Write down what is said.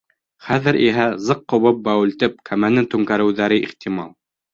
Хәҙер иһә, зыҡ ҡубып бәүелтеп, кәмәне түңкәреүҙәре ихтимал.